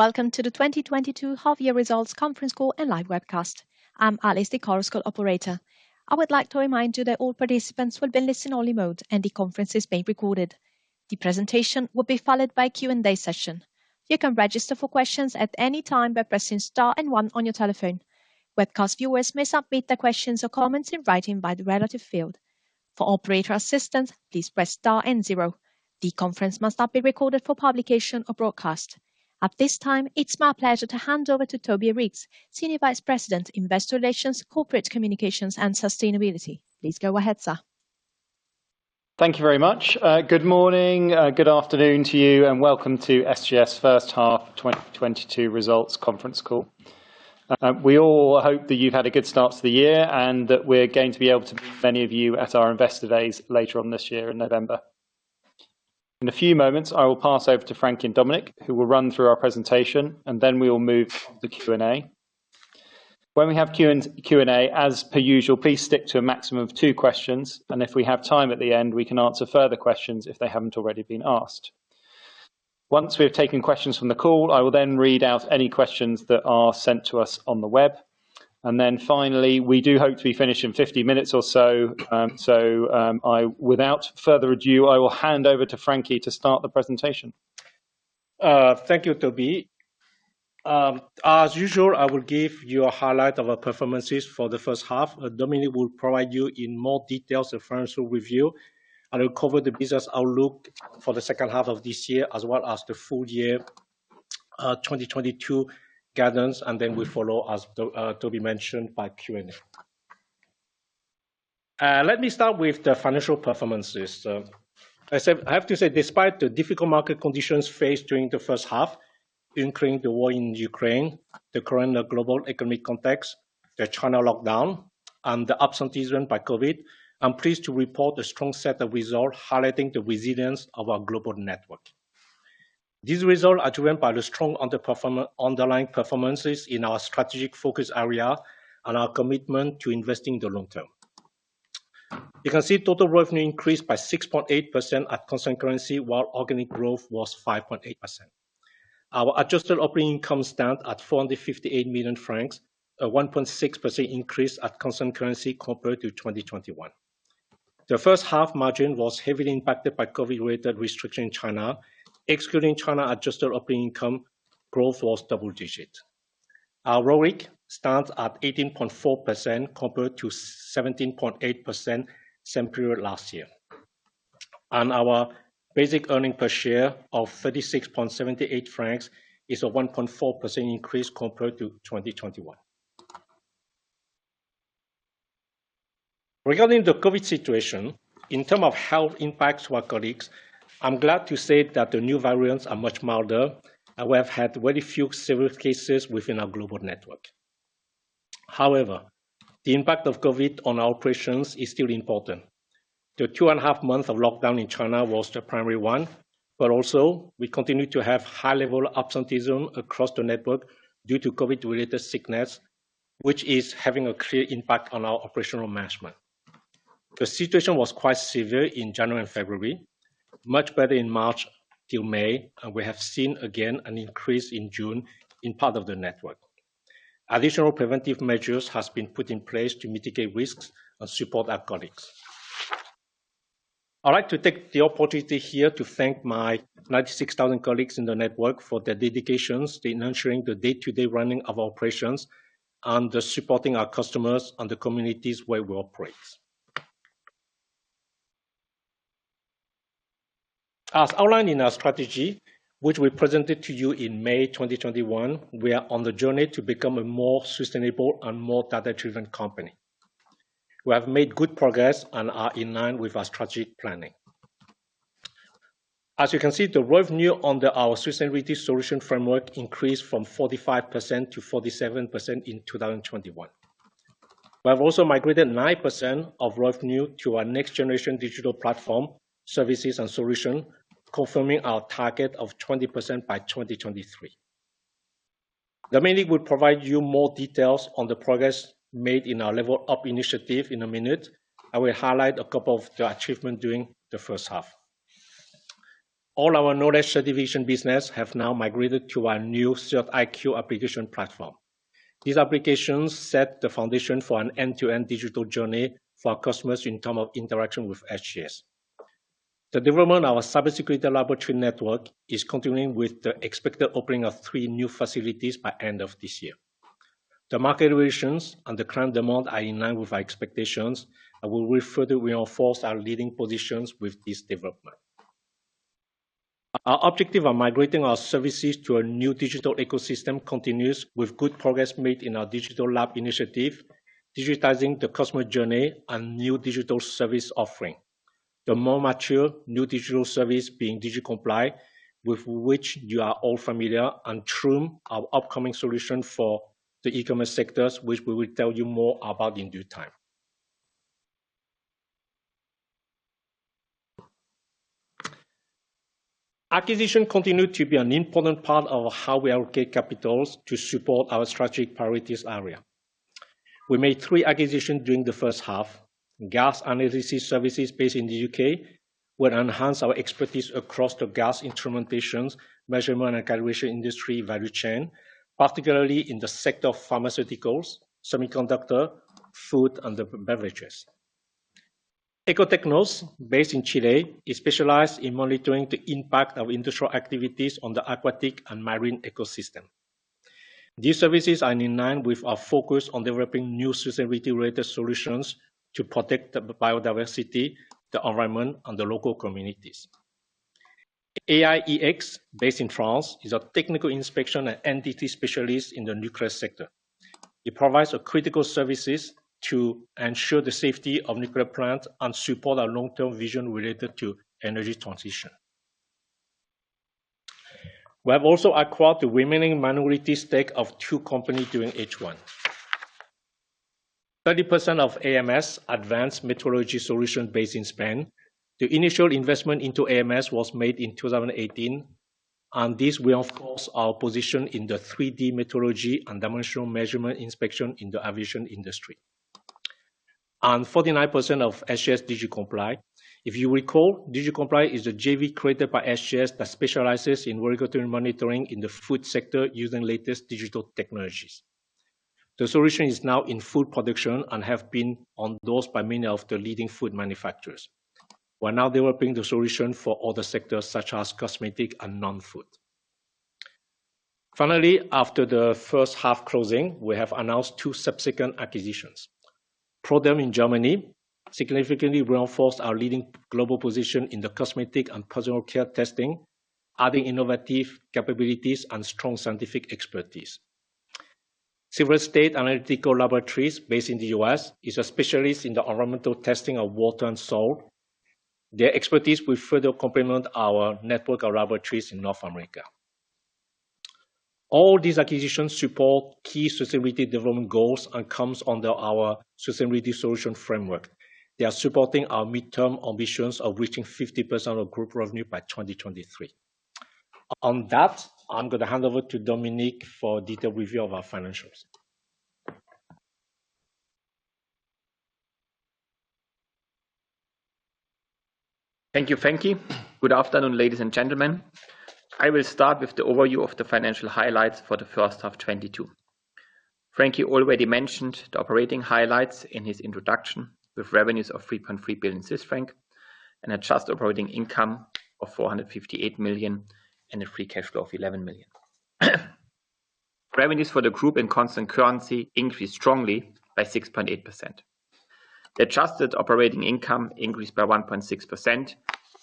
Welcome to the 2022 half year results conference call and live webcast. I'm Alice, the conference call operator. I would like to remind you that all participants will be in listen-only mode, and the conference is being recorded. The presentation will be followed by a Q&A session. You can register for questions at any time by pressing star and one on your telephone. Webcast viewers may submit their questions or comments in writing by the relevant field. For operator assistance, please press star and zero. The conference must not be recorded for publication or broadcast. At this time, it's my pleasure to hand over to Toby Reeks, Senior Vice President, Investor Relations, Corporate Communications, and Sustainability. Please go ahead, sir. Thank you very much. Good morning, good afternoon to you, and welcome to SGS first half 2022 results conference call. We all hope that you've had a good start to the year and that we're going to be able to meet many of you at our Investor Days later on this year in November. In a few moments, I will pass over to Frankie and Dominik, who will run through our presentation, and then we will move to the Q&A. When we have Q&A, as per usual, please stick to a maximum of two questions, and if we have time at the end, we can answer further questions if they haven't already been asked. Once we have taken questions from the call, I will then read out any questions that are sent to us on the web. Finally, we do hope to finish in 50 minutes or so. Without further ado, I will hand over to Frankie to start the presentation. Thank you, Toby. As usual, I will give you a highlight of our performances for the first half. Dominik will provide you in more details the financial review. I will cover the business outlook for the second half of this year, as well as the full year, 2022 guidance, and then we follow, as Toby mentioned, by Q&A. Let me start with the financial performances. I have to say, despite the difficult market conditions faced during the first half, including the war in Ukraine, the current global economic context, the China lockdown, and the absenteeism by COVID, I'm pleased to report a strong set of results highlighting the resilience of our global network. These results are driven by the strong underlying performances in our strategic focus area and our commitment to investing in the long term. You can see total revenue increased by 6.8% at constant currency, while organic growth was 5.8%. Our adjusted operating income stand at 458 million francs, a 1.6% increase at constant currency compared to 2021. The first half margin was heavily impacted by COVID-related restrictions in China. Excluding China, adjusted operating income growth was double digit. Our ROIC stands at 18.4% compared to 17.8% same period last year. Our basic earnings per share of 36.78 francs is a 1.4% increase compared to 2021. Regarding the COVID situation, in terms of health impacts to our colleagues, I'm glad to say that the new variants are much milder, and we have had very few severe cases within our global network. However, the impact of COVID on our operations is still important. The 2.5 months of lockdown in China was the primary one, but also we continue to have high-level absenteeism across the network due to COVID-related sickness, which is having a clear impact on our operational management. The situation was quite severe in January and February, much better in March till May, and we have seen again an increase in June in part of the network. Additional preventive measures has been put in place to mitigate risks and support our colleagues. I'd like to take the opportunity here to thank my 96,000 colleagues in the network for their dedications in ensuring the day-to-day running of our operations and supporting our customers and the communities where we operate. As outlined in our strategy, which we presented to you in May 2021, we are on the journey to become a more sustainable and more data-driven company. We have made good progress and are in line with our strategic planning. As you can see, the revenue under our Sustainability Solutions Framework increased from 45% to 47% in 2021. We have also migrated 9% of revenue to our next generation digital platform services and solution, confirming our target of 20% by 2023. Dominik de Daniel will provide you more details on the progress made in our Level Up initiative in a minute. I will highlight a couple of the achievement during the first half. All our Knowledge division business have now migrated to our new CertIQ application platform. These applications set the foundation for an end-to-end digital journey for our customers in terms of interaction with SGS. The development of our cybersecurity laboratory network is continuing with the expected opening of three new facilities by the end of this year. The market realities and the current demand are in line with our expectations, and we will further reinforce our leading positions with this development. Our objective of migrating our services to a new digital ecosystem continues with good progress made in our Digital Lab initiative, digitizing the customer journey and new digital service offering. The more mature new digital service being Digicomply, with which you are all familiar, and Truum, our upcoming solution for the e-commerce sector, which we will tell you more about in due time. Acquisition continued to be an important part of how we allocate capital to support our strategic priority areas. We made three acquisitions during the first half. Gas Analysis Services based in the UK will enhance our expertise across the gas instrumentation measurement and calibration industry value chain, particularly in the sector of pharmaceuticals, semiconductor, food, and beverages. Ecotecnos, based in Chile, is specialized in monitoring the impact of industrial activities on the aquatic and marine ecosystem. These services are in line with our focus on developing new sustainability-related solutions to protect the biodiversity, the environment, and the local communities. AIEX, based in France, is a technical inspection and welding specialist in the nuclear sector. It provides critical services to ensure the safety of nuclear plants and support our long-term vision related to energy transition. We have also acquired the remaining minority stake of two companies during H1. 30% of AMS, Advanced Metrology Solutions based in Spain. The initial investment into AMS was made in 2018, and this will, of course, our position in the 3D metrology and dimensional measurement inspection in the aviation industry. 49% of SGS Digicomply. If you recall, Digicomply is a JV created by SGS that specializes in regulatory monitoring in the food sector using latest digital technologies. The solution is now in full production and have been adopted by many of the leading food manufacturers. We're now developing the solution for other sectors such as cosmetics and non-food. Finally, after the first half closing, we have announced two subsequent acquisitions. proderm in Germany significantly reinforced our leading global position in the cosmetics and personal care testing, adding innovative capabilities and strong scientific expertise. Silver State Analytical Laboratories, based in the U.S., is a specialist in the environmental testing of water and soil. Their expertise will further complement our network of laboratories in North America. All these acquisitions support key sustainability development goals and comes under our Sustainability Solutions Framework. They are supporting our midterm ambitions of reaching 50% of group revenue by 2023. On that, I'm gonna hand over to Dominik for a detailed review of our financials. Thank you, Frankie. Good afternoon, ladies and gentlemen. I will start with the overview of the financial highlights for the first half 2022. Frankie already mentioned the operating highlights in his introduction with revenues of 3.3 billion Swiss franc and adjusted operating income of 458 million and a free cash flow of 11 million. Revenues for the group in constant currency increased strongly by 6.8%. The adjusted operating income increased by 1.6%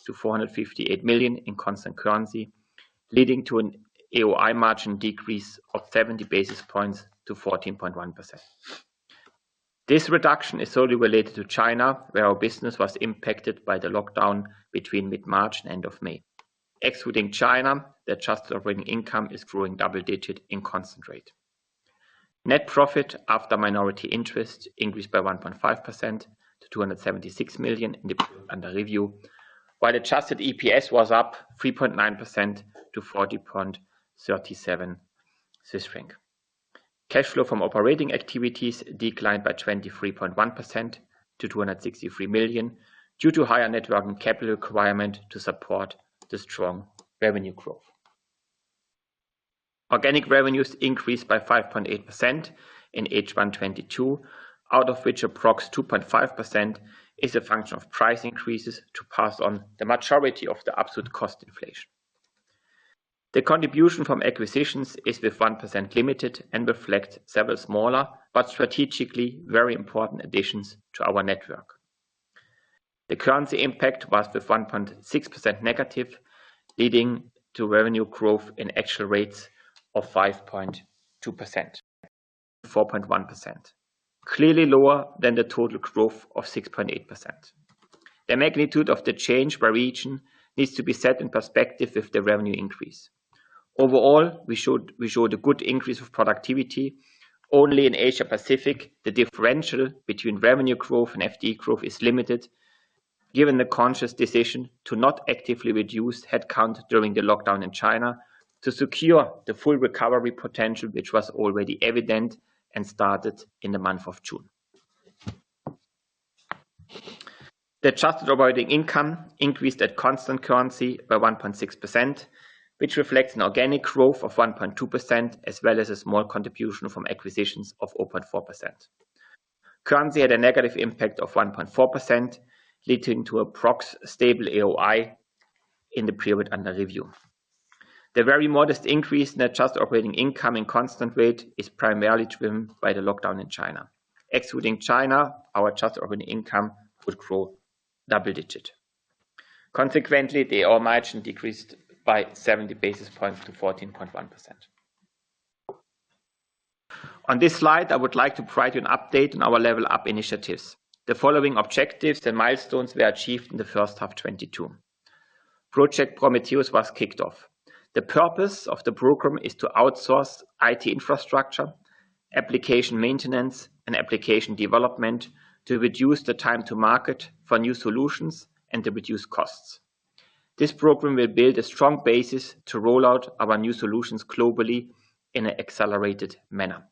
to 458 million in constant currency, leading to an AOI margin decrease of 70 basis points to 14.1%. This reduction is solely related to China, where our business was impacted by the lockdown between mid-March and end of May. Excluding China, the adjusted operating income is growing double-digit in constant currency. Net profit after minority interest increased by 1.5% to 276 million in the period under review, while adjusted EPS was up 3.9% to 40.37 Swiss franc. Cash flow from operating activities declined by 23.1% to 263 million due to higher net working capital requirement to support the strong revenue growth. Organic revenues increased by 5.8% in H1 2022, out of which approx 2.5% is a function of price increases to pass on the majority of the absolute cost inflation. The contribution from acquisitions is limited to 1% and reflects several smaller but strategically very important additions to our network. The currency impact was with 1.6% negative, leading to revenue growth in actual rates of 5.2%, 4.1%, clearly lower than the total growth of 6.8%. The magnitude of the change by region needs to be set in perspective with the revenue increase. Overall, we showed a good increase of productivity. Only in Asia-Pacific, the differential between revenue growth and FTE growth is limited given the conscious decision to not actively reduce headcount during the lockdown in China to secure the full recovery potential, which was already evident and started in the month of June. The adjusted operating income increased at constant currency by 1.6%, which reflects an organic growth of 1.2%, as well as a small contribution from acquisitions of 0.4%. Currency had a negative impact of 1.4%, leading to approximately stable AOI in the period under review. The very modest increase in adjusted operating income at constant rates is primarily driven by the lockdown in China. Excluding China, our adjusted operating income would grow double-digit. Consequently, the AOI margin decreased by 70 basis points to 14.1%. On this slide, I would like to provide you an update on our Level Up initiatives. The following objectives and milestones were achieved in the first half 2022. Project Prometheus was kicked off. The purpose of the program is to outsource IT infrastructure, application maintenance, and application development to reduce the time to market for new solutions and to reduce costs. This program will build a strong basis to roll out our new solutions globally in an accelerated manner.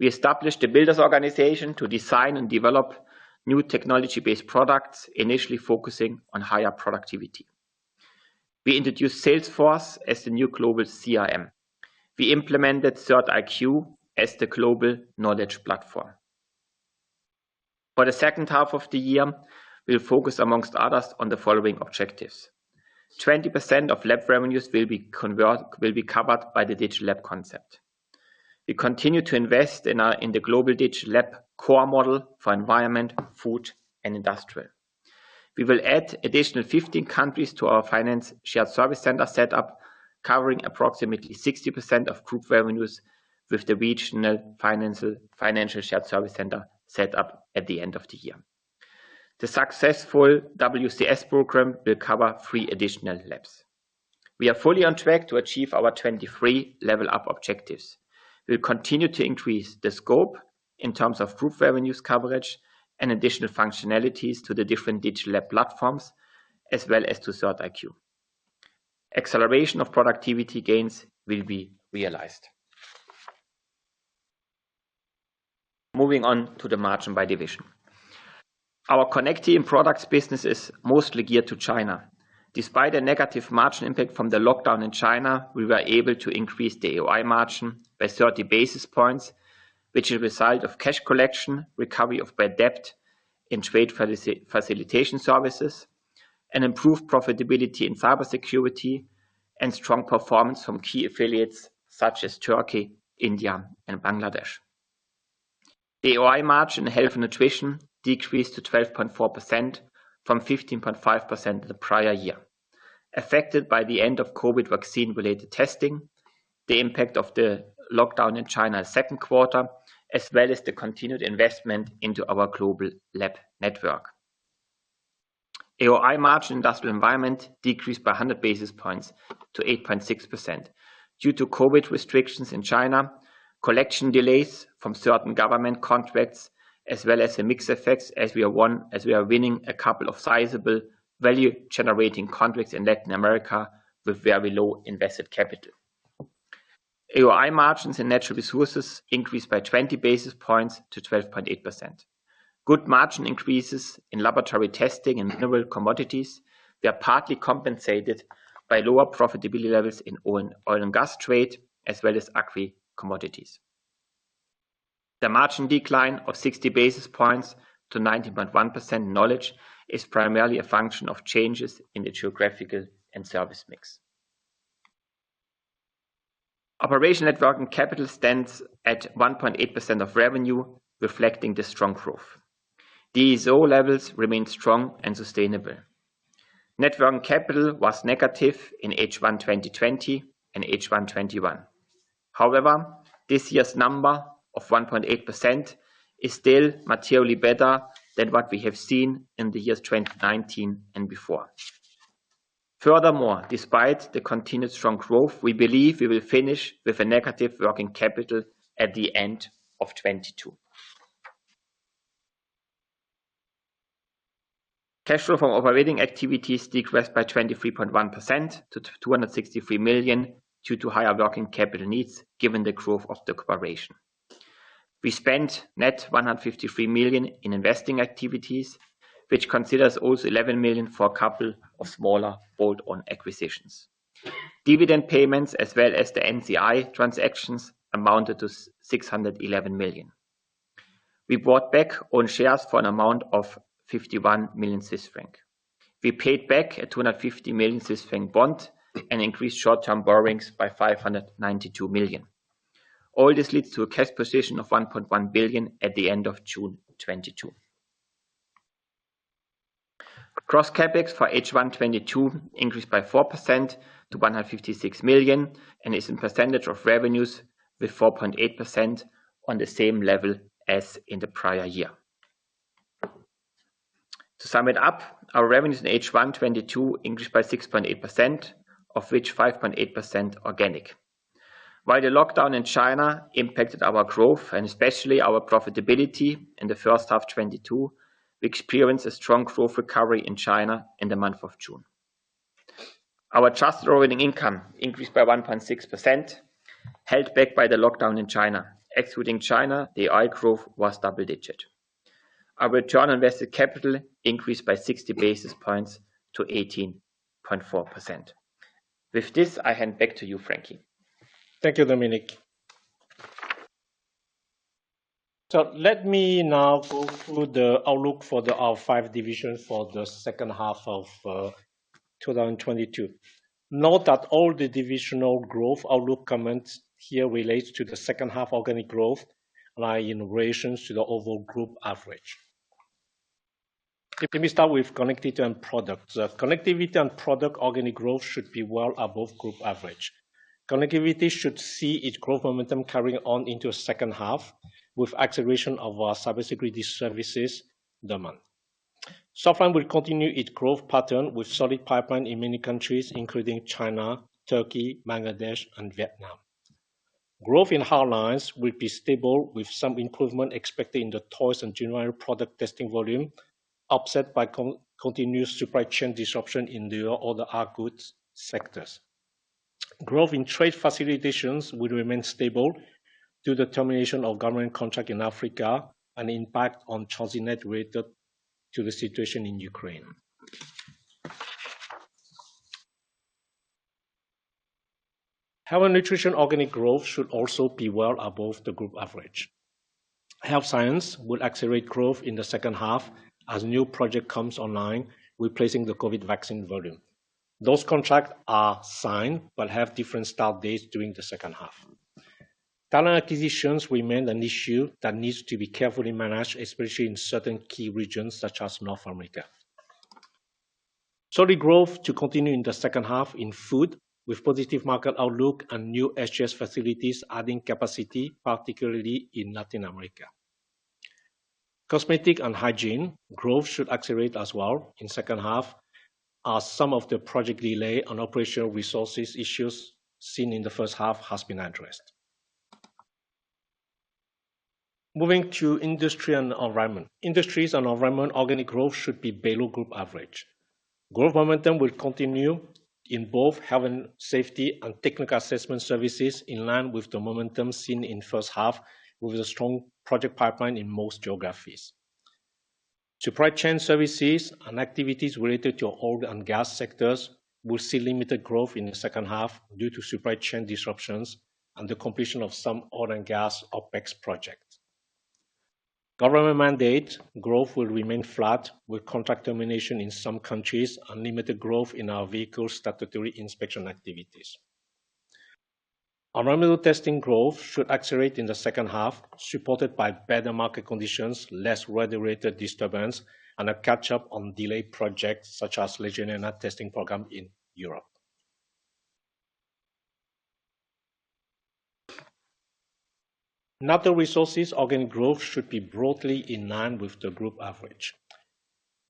We established the Digital Builders Organization to design and develop new technology-based products, initially focusing on higher productivity. We introduced Salesforce as the new global CRM. We implemented CertIQ as the global Knowledge platform. For the second half of the year, we'll focus among others on the following objectives. 20% of lab revenues will be covered by the Digital Lab concept. We continue to invest in the global Digital Lab core model for Environment, Food and Industrial. We will add additional 15 countries to our Finance Shared Service Center setup, covering approximately 60% of group revenues with the regional financial shared service center setup at the end of the year. The successful WCS program will cover 3 additional labs. We are fully on track to achieve our 2023 Level Up objectives. We'll continue to increase the scope in terms of group revenues coverage and additional functionalities to the different digital lab platforms, as well as to CertIQ. Acceleration of productivity gains will be realized. Moving on to the margin by division. Our Connectivity & Products business is mostly geared to China. Despite a negative margin impact from the lockdown in China, we were able to increase the AOI margin by 30 basis points, which is a result of cash collection, recovery of bad debt and trade facilitation services, and improved profitability in cybersecurity and strong performance from key affiliates such as Turkey, India and Bangladesh. The AOI margin in Health & Nutrition decreased to 12.4% from 15.5% the prior year, affected by the end of COVID vaccine-related testing, the impact of the lockdown in China second quarter, as well as the continued investment into our global lab network. AOI margin in Industries & Environment decreased by 100 basis points to 8.6% due to COVID restrictions in China, collection delays from certain government contracts, as well as the mix effects as we are winning a couple of sizable value-generating contracts in Latin America with very low invested capital. AOI margins in Natural Resources increased by 20 basis points to 12.8%. Good margin increases in laboratory testing and mineral commodities were partly compensated by lower profitability levels in oil and gas trade, as well as agri commodities. The margin decline of 60 basis points to 90.1% in Knowledge is primarily a function of changes in the geographical and service mix. Operating net working capital stands at 1.8% of revenue, reflecting the strong growth. DSO levels remain strong and sustainable. Net working capital was negative in H1 2020 and H1 2021. However, this year's number of 1.8% is still materially better than what we have seen in the years 2019 and before. Furthermore, despite the continued strong growth, we believe we will finish with a negative working capital at the end of 2022. Cash flow from operating activities decreased by 23.1% to 263 million due to higher working capital needs, given the growth of the corporation. We spent net 153 million in investing activities, which considers also 11 million for a couple of smaller bolt-on acquisitions. Dividend payments as well as the NCI transactions amounted to 611 million. We bought back own shares for an amount of 51 million Swiss francs. We paid back a 250 million Swiss francs bond and increased short-term borrowings by 592 million. All this leads to a cash position of 1.1 billion at the end of June 2022. Gross CapEx for H1 2022 increased by 4% to 156 million and is in percentage of revenues with 4.8% on the same level as in the prior year. To sum it up, our revenues in H1 2022 increased by 6.8%, of which 5.8% organic. While the lockdown in China impacted our growth and especially our profitability in the first half 2022, we experienced a strong growth recovery in China in the month of June. Our adjusted operating income increased by 1.6%, held back by the lockdown in China. Excluding China, the AOI growth was double digits. Our return on invested capital increased by 60 basis points to 18.4%. With this, I hand back to you, Frankie. Thank you, Dominik. Let me now go through the outlook for our five divisions for the second half of 2022. Note that all the divisional growth outlook comments here relate to the second half organic growth in relation to the overall group average. Let me start with Connectivity & Products. The Connectivity & Products organic growth should be well above group average. Connectivity should see its growth momentum carrying on into the second half with acceleration of our cybersecurity services demand. Software will continue its growth pattern with solid pipeline in many countries, including China, Turkey, Bangladesh and Vietnam. Growth in hardlines will be stable with some improvement expected in the toys and general product testing volume, offset by continuous supply chain disruption in the other hard goods sectors. Growth in trade facilitations will remain stable due to termination of government contract in Africa and impact on TransitNet related to the situation in Ukraine. Health & Nutrition organic growth should also be well above the group average. Health science will accelerate growth in the second half as new project comes online, replacing the COVID vaccine volume. Those contracts are signed but have different start dates during the second half. Talent acquisitions remain an issue that needs to be carefully managed, especially in certain key regions such as North America. Solid growth to continue in the second half in food with positive market outlook and new SGS facilities adding capacity, particularly in Latin America. Cosmetic and hygiene growth should accelerate as well in second half, as some of the project delay on operational resources issues seen in the first half has been addressed. Moving to Industries & Environment. Industries & Environment organic growth should be below group average. Growth momentum will continue in both health and safety and technical assessment services in line with the momentum seen in first half with a strong project pipeline in most geographies. Supply chain services and activities related to oil and gas sectors will see limited growth in the second half due to supply chain disruptions and the completion of some oil and gas OpEx projects. Government mandate growth will remain flat with contract termination in some countries and limited growth in our vehicle statutory inspection activities. Environmental testing growth should accelerate in the second half, supported by better market conditions, less weather-related disturbance, and a catch-up on delayed projects such as Legionella testing program in Europe. Natural Resources organic growth should be broadly in line with the group average.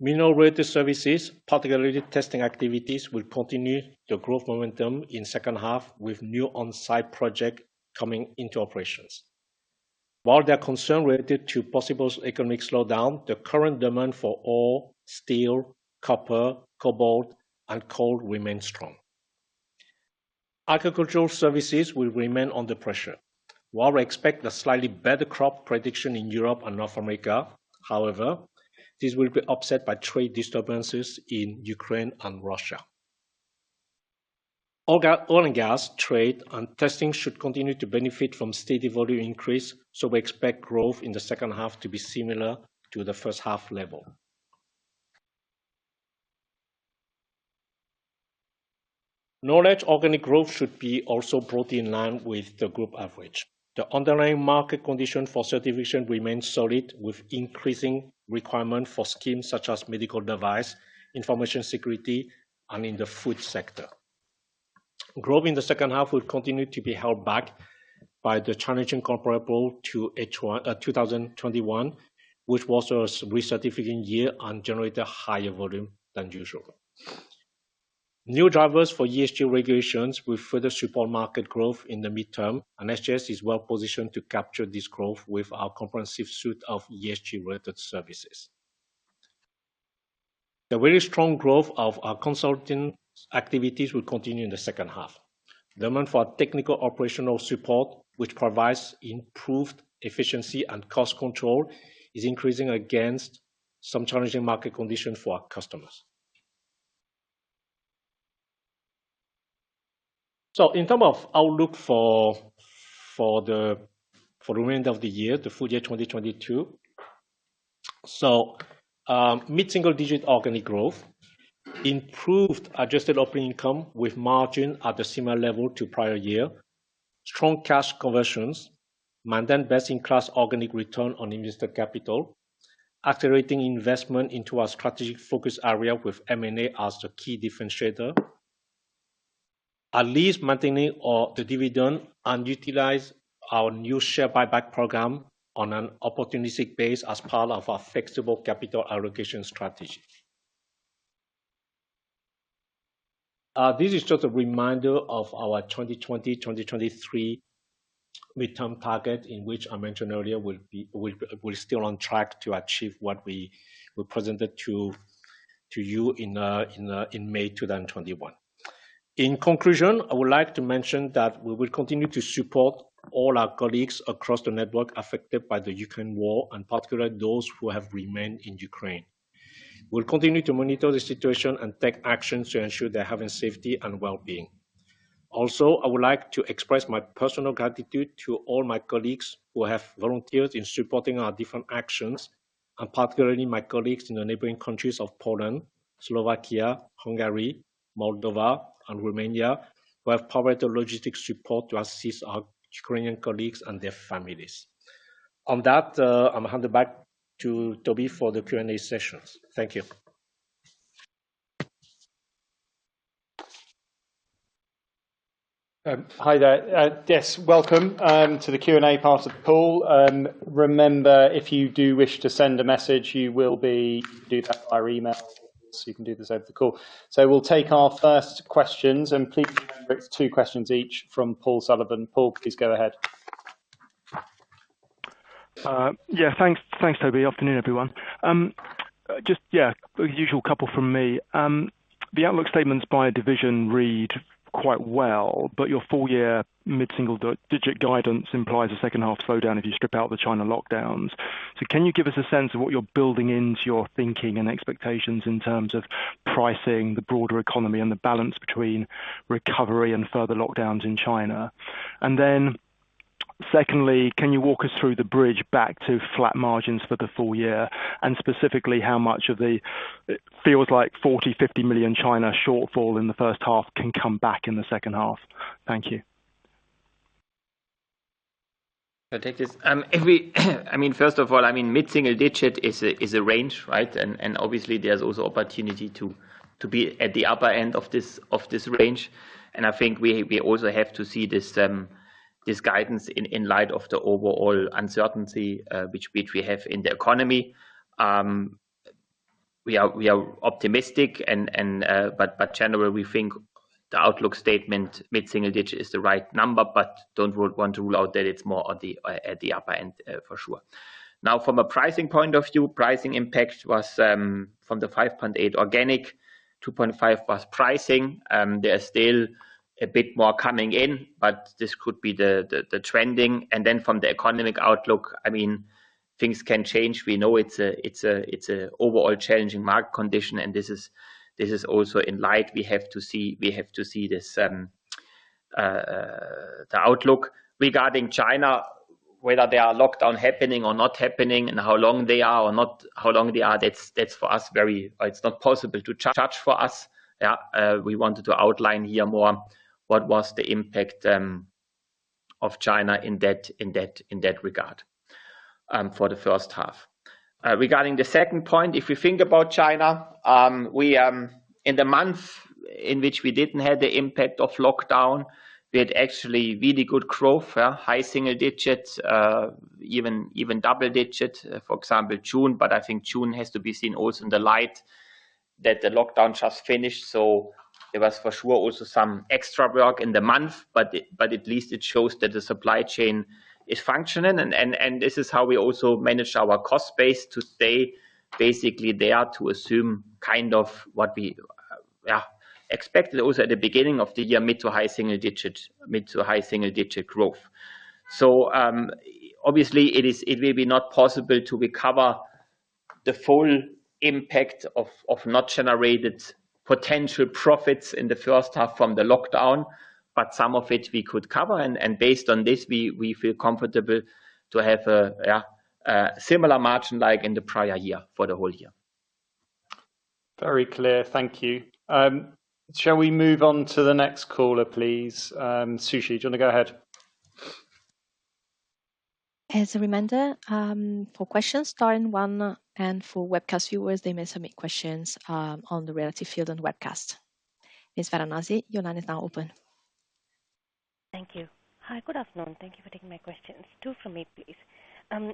Mineral-related services, particularly testing activities, will continue the growth momentum in second half with new on-site project coming into operations. While there are concerns related to possible economic slowdown, the current demand for oil, steel, copper, cobalt, and coal remains strong. Agricultural services will remain under pressure. While we expect a slightly better crop prediction in Europe and North America, however, this will be upset by trade disturbances in Ukraine and Russia. Oil and gas trade and testing should continue to benefit from steady volume increase, so we expect growth in the second half to be similar to the first half level. Knowledge organic growth should be also broadly in line with the group average. The underlying market condition for certification remains solid, with increasing requirements for schemes such as medical devices, information security, and in the food sector. Growth in the second half will continue to be held back by the challenging comparables to H1 2021, which was a recertification year and generated higher volume than usual. New drivers for ESG regulations will further support market growth in the medium term, and SGS is well positioned to capture this growth with our comprehensive suite of ESG-related services. The very strong growth of our consulting activities will continue in the second half. Demand for technical operational support, which provides improved efficiency and cost control, is increasing against some challenging market conditions for our customers. In terms of outlook for the remainder of the year, the full year 2022. Mid-single digit organic growth, improved adjusted operating income with margin at a similar level to prior year, strong cash conversions, maintain best-in-class organic return on invested capital, accelerating investment into our strategic focus area with M&A as the key differentiator. At least maintaining the dividend and utilize our new share buyback program on an opportunistic basis as part of our flexible capital allocation strategy. This is just a reminder of our 2020-2023 mid-term target in which I mentioned earlier we're still on track to achieve what we presented to you in May 2021. In conclusion, I would like to mention that we will continue to support all our colleagues across the network affected by the Ukraine war, and particularly those who have remained in Ukraine. We'll continue to monitor the situation and take actions to ensure their health and safety and wellbeing. Also, I would like to express my personal gratitude to all my colleagues who have volunteered in supporting our different actions, and particularly my colleagues in the neighboring countries of Poland, Slovakia, Hungary, Moldova, and Romania, who have provided logistics support to assist our Ukrainian colleagues and their families. On that, I'm handing it back to Toby for the Q&A session. Thank you. Hi there. Yes, welcome to the Q&A part of the call. Remember, if you do wish to send a message, you'll be able to do that via email, so you can do this over the call. We'll take our first questions, and please remember it's two questions each from Paul Sullivan. Paul, please go ahead. Yeah, thanks, Toby. Afternoon, everyone. Just, yeah, the usual couple from me. The outlook statements by division read quite well, but your full-year mid-single-digit guidance implies a second-half slowdown if you strip out the China lockdowns. Can you give us a sense of what you're building into your thinking and expectations in terms of pricing, the broader economy and the balance between recovery and further lockdowns in China? Secondly, can you walk us through the bridge back to flat margins for the full year? Specifically, how much of it feels like 40 million-50 million China shortfall in the first half can come back in the second half. Thank you. I'll take this. I mean, first of all, I mean, mid-single digit is a range, right? And obviously there's also opportunity to be at the upper end of this range. And I think we also have to see this guidance in light of the overall uncertainty which we have in the economy. We are optimistic and, but generally we think the outlook statement mid-single digit is the right number, but don't want to rule out that it's more at the upper end for sure. Now from a pricing point of view, pricing impact was from the 5.8% organic, 2.5% was pricing. There are still a bit more coming in, but this could be the trending. From the economic outlook, I mean, things can change. We know it's an overall challenging market condition, and this is also in light of what we have to see, the outlook. Regarding China, whether there are lockdowns happening or not and how long they are, that's very difficult for us to judge. Yeah. We wanted to outline here more what was the impact of China in that regard for the first half. Regarding the second point, if we think about China, in the month in which we didn't have the impact of lockdown, we had actually really good growth. Yeah. High single digits, even double digits, for example, June. I think June has to be seen also in the light that the lockdown just finished. There was for sure also some extra work in the month, but at least it shows that the supply chain is functioning. This is how we also manage our cost base to stay basically there to assume kind of what we expected also at the beginning of the year, mid- to high-single-digit growth. Obviously it will be not possible to recover the full impact of not generated potential profits in the first half from the lockdown, but some of it we could cover. Based on this, we feel comfortable to have a similar margin like in the prior year for the whole year. Very clear. Thank you. Shall we move on to the next caller, please? Sushi, do you wanna go ahead? As a reminder, for questions, star and one, and for webcast viewers, they may submit questions, on the relevant field and webcast. Ms. Varanasi, your line is now open. Thank you. Hi. Good afternoon. Thank you for taking my questions. Two for me, please.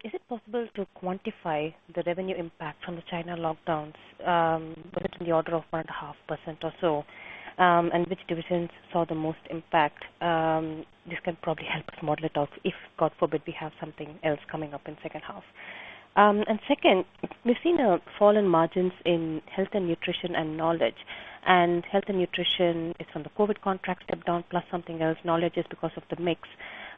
Is it possible to quantify the revenue impact from the China lockdowns? Was it in the order of 1.5% or so? And which divisions saw the most impact? This can probably help us model it out if, God forbid, we have something else coming up in second half. Second, we've seen a fall in margins in Health & Nutrition and Knowledge. Health & Nutrition is from the COVID contract step-down plus something else. Knowledge is because of the mix.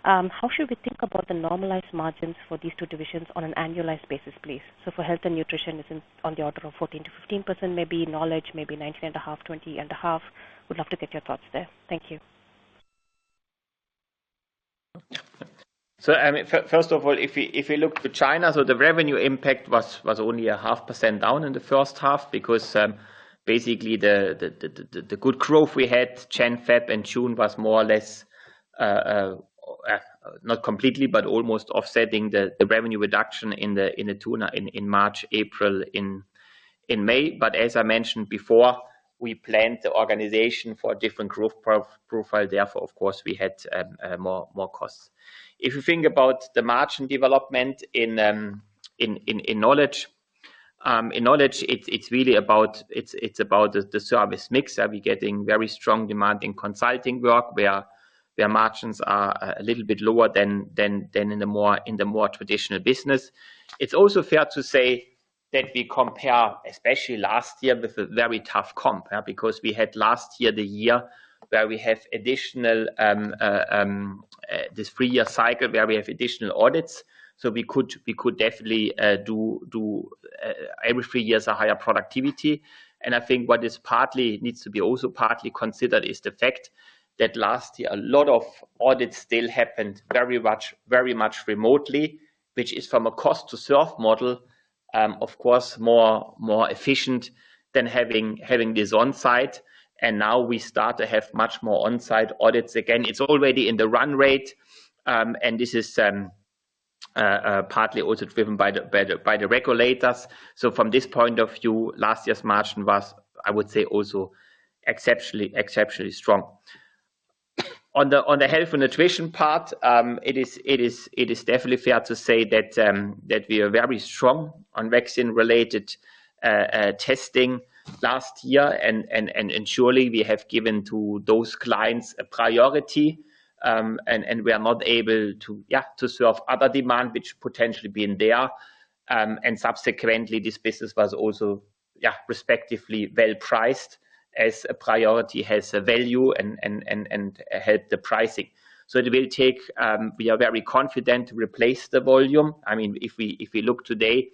How should we think about the normalized margins for these two divisions on an annualized basis, please? For Health & Nutrition is in on the order of 14%-15%, maybe Knowledge, maybe 19.5%-20.5%. Would love to get your thoughts there. Thank you. I mean, first of all, if you look to China, the revenue impact was only 0.5% down in the first half because basically the good growth we had January, February, and June was more or less not completely, but almost offsetting the revenue reduction in China in March, April, and May. As I mentioned before, we planned the organization for a different growth profile. Therefore, of course, we had more costs. If you think about the margin development in Knowledge, it's really about the service mix. Are we getting very strong demand in consulting work where their margins are a little bit lower than in the more traditional business? It's also fair to say that we compare especially last year with a very tough comp, yeah? Because we had last year the year where we have additional this three-year cycle where we have additional audits. We could definitely do every three years a higher productivity. I think what is partly needs to be also partly considered is the fact that last year a lot of audits still happened very much remotely, which is from a cost to serve model, of course more efficient than having this on-site. Now we start to have much more on-site audits again. It's already in the run rate, and this is partly also driven by the regulators. From this point of view, last year's margin was, I would say, also exceptionally strong. On the Health & Nutrition part, it is definitely fair to say that we are very strong on vaccine-related testing last year. Surely we have given to those clients a priority, and we are not able to serve other demand which potentially being there. Subsequently this business was also respectively well-priced as a priority, has a value and help the pricing. It will take. We are very confident to replace the volume. I mean, if we look today,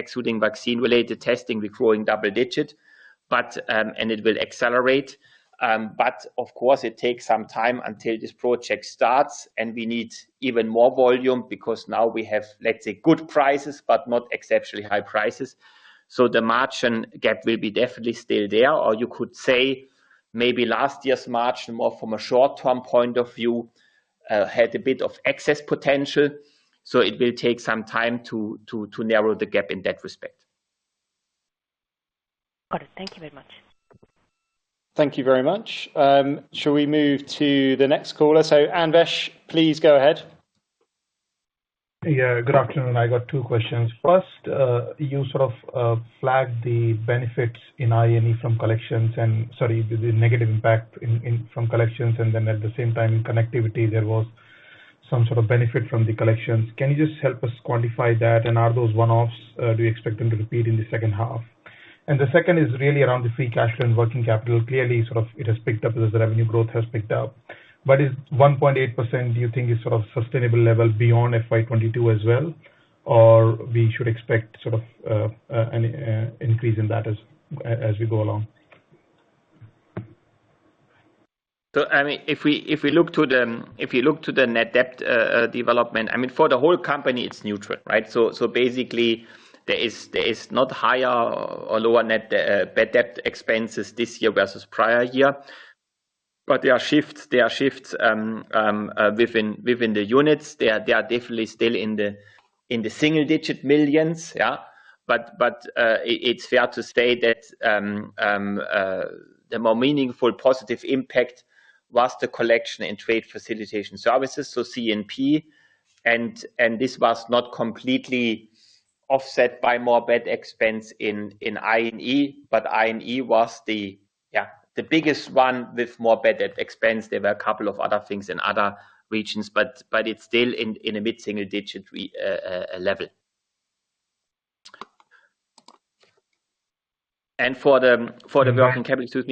excluding vaccine-related testing, we're growing double digit, but and it will accelerate. Of course it takes some time until this project starts, and we need even more volume because now we have, let's say, good prices, but not exceptionally high prices. The margin gap will be definitely still there. You could say maybe last year's margin, more from a short-term point of view, had a bit of excess potential, so it will take some time to narrow the gap in that respect. Got it. Thank you very much. Thank you very much. Shall we move to the next caller? Anvesh, please go ahead. Yeah, good afternoon. I got two questions. First, you sort of flagged the negative impact in I&E from collections, and then at the same time in connectivity, there was some sort of benefit from the collections. Can you just help us quantify that, and are those one-offs, do you expect them to repeat in the second half? The second is really around the free cash and working capital. Clearly, sort of it has picked up as the revenue growth has picked up, but is 1.8%, do you think, is sort of sustainable level beyond FY 2022 as well? Or we should expect sort of an increase in that as we go along. I mean, if you look to the net bad debt development, I mean, for the whole company, it's neutral, right? Basically there is not higher or lower net bad debt expenses this year versus prior year. There are shifts within the units. They are definitely still in the single-digit millions. It's fair to say that the more meaningful positive impact was the collection and trade facilitation services, so C&P. This was not completely offset by more bad debt expense in I&E, but I&E was the biggest one with more bad debt expense. There were a couple of other things in other regions, but it's still in a mid-single digit level. For the working capital,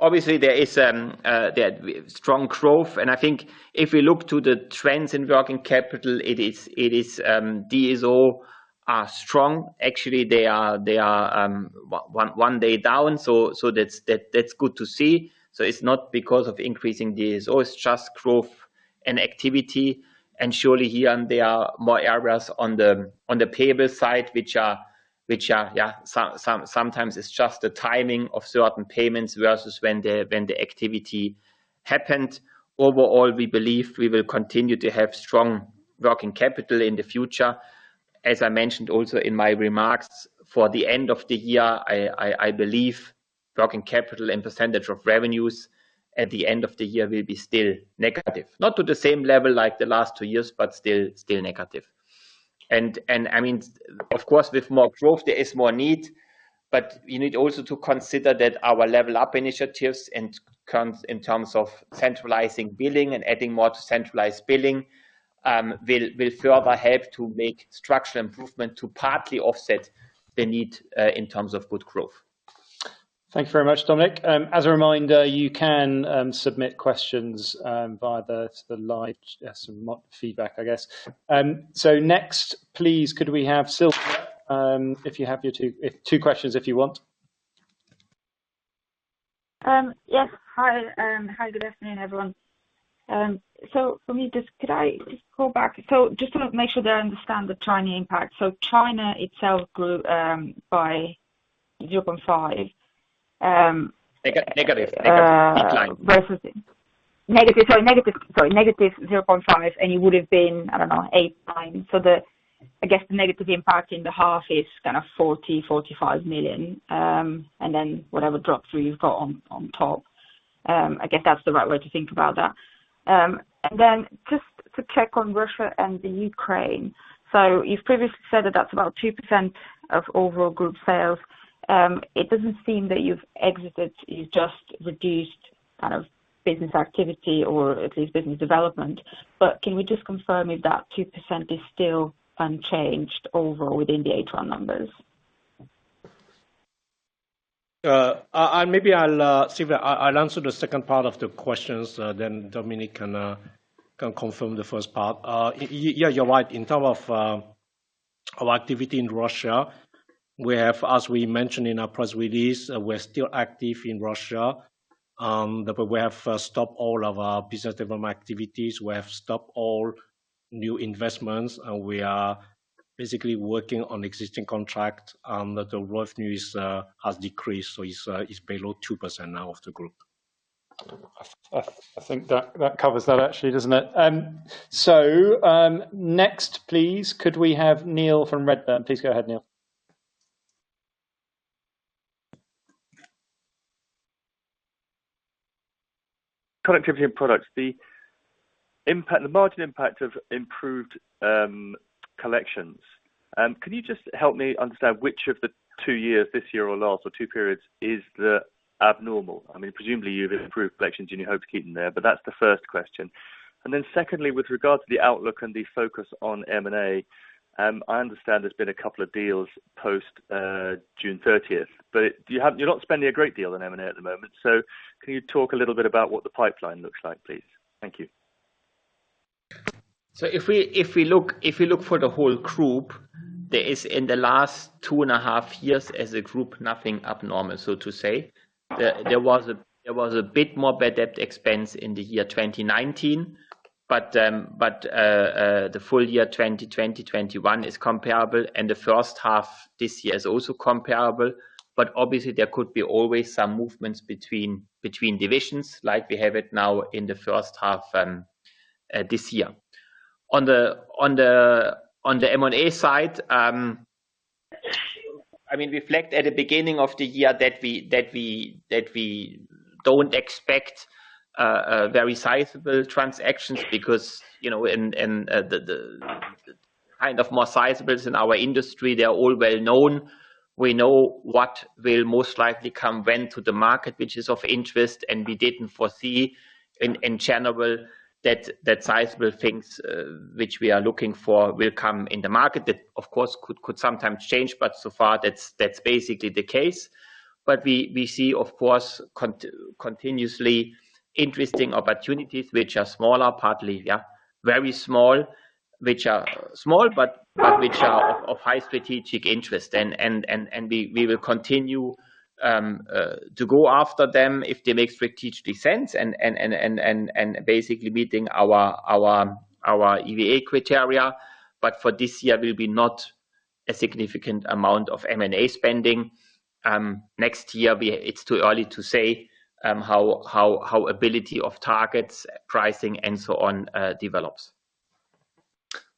obviously, there's strong growth. I think if we look to the trends in working capital, it is DSO are strong. Actually, they are one day down, so that's good to see. It's not because of increasing DSOs, it's just growth and activity. Surely here and there are more areas on the payable side, which are sometimes it's just the timing of certain payments versus when the activity happened. Overall, we believe we will continue to have strong working capital in the future. As I mentioned also in my remarks, for the end of the year, I believe working capital and percentage of revenues at the end of the year will be still negative. Not to the same level like the last two years, but still negative. I mean, of course, with more growth, there is more need, but you need also to consider that our Level Up initiatives in terms of centralizing billing and adding more to centralized billing will further help to make structural improvement to partly offset the need in terms of good growth. Thank you very much, Dominik. As a reminder, you can submit questions via the live feedback, I guess. Next please, could we have Silvia? If you have your two questions if you want. Yes. Hi, good afternoon, everyone. For me, just could I just go back? Just to make sure that I understand the China impact. China itself grew by 0.5%, Negative. Decline. -0.5%, and it would have been, I don't know, 8x. I guess the negative impact in the half is kind of 40-45 million, and then whatever drop through you've got on top. I guess that's the right way to think about that. Just to check on Russia and the Ukraine. You've previously said that that's about 2% of overall group sales. It doesn't seem that you've exited, you've just reduced kind of business activity or at least business development. Can we just confirm if that 2% is still unchanged overall within the H1 numbers? Maybe I'll, Silvia, I'll answer the second part of the questions, then Dominik can confirm the first part. Yeah, you're right. In terms of activity in Russia, we have, as we mentioned in our press release, we're still active in Russia. We have stopped all of our business development activities. We have stopped all new investments. We are basically working on existing contract, and the revenue has decreased, so it's below 2% now of the group. I think that covers that actually, doesn't it? Next please, could we have Neil from Redburn? Please go ahead, Neil. Product contribution products. The The margin impact of improved collections. Could you just help me understand which of the two years, this year or last, or two periods is the abnormal? I mean, presumably you've improved collections and you hope to keep them there, but that's the first question. Secondly, with regard to the outlook and the focus on M&A, I understand there's been a couple of deals post June thirtieth. You have, you're not spending a great deal on M&A at the moment, so can you talk a little bit about what the pipeline looks like, please? Thank you. If we look for the whole group, there is in the last two and a half years as a group nothing abnormal, so to say. There was a bit more bad debt expense in the year 2019, but the full year 2021 is comparable, and the first half this year is also comparable. Obviously there could always be some movements between divisions like we have it now in the first half this year. On the M&A side, I mean, we reflect at the beginning of the year that we don't expect very sizable transactions because, you know, the kind of more sizables in our industry, they are all well known. We know what will most likely come when to the market, which is of interest. We didn't foresee in general that sizable things which we are looking for will come in the market. That, of course, could sometimes change, but so far that's basically the case. We see, of course, continuously interesting opportunities which are smaller, partly very small, which are small, but which are of high strategic interest. We will continue to go after them if they make strategic sense and basically meeting our EVA criteria, but for this year will be not a significant amount of M&A spending. Next year it's too early to say how availability of targets, pricing, and so on develops.